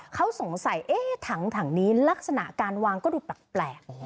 เขาสงสัยถังนี้ลักษณะการวางก็ดูแปลก